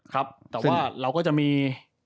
ครับแต่ว่าเราก็จะมี